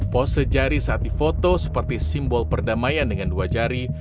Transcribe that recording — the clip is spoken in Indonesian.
pose jari saat difoto seperti simbol perdamaian dengan dua jari